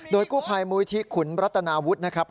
โดยกู้ภัยมูลิธิขุนรัตนาวุฒินะครับ